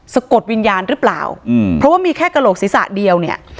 กดวิญญาณหรือเปล่าอืมเพราะว่ามีแค่กระโหลกศีรษะเดียวเนี่ย